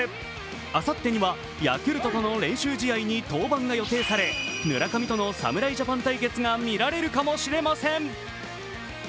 あさってにはヤクルトとの練習試合に登板が予定され村上との侍ジャパン対決が見られるかもしれません。